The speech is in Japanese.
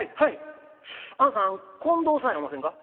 「あんさん近藤さんやおませんか？」。